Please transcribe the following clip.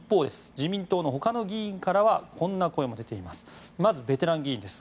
自民党のほかの議員からはこんな声も出ています。